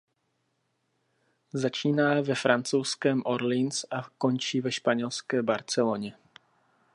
Začíná ve francouzském Orléans a končí ve španělské Barceloně.